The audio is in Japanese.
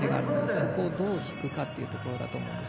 そこをどう引くかということだと思います。